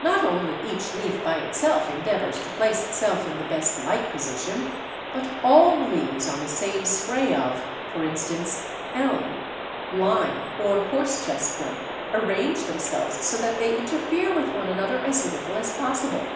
Not only each leaf by itself endeavours to place itself in the best light position, but all the leaves on the same spray of, for instance, Elm, Lime, or Horsechestnut, arrange themselves so that they interfere with one another as little as possible.